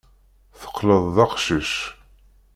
Teqqleḍ d aqcic.